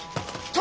殿。